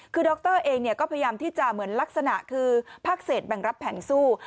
คือดรเองก็พยายามที่จะเหมือนลักษณะคือภาคเศษแบ่งรับแบ่งสู้